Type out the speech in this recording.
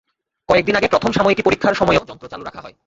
কয়েক দিন আগে প্রথম সাময়িকী পরীক্ষার সময়ও যন্ত্র চালু রাখা হয়।